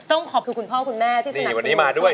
ต้องขอบคุณพ่อคุณแม่ที่สนับสนุน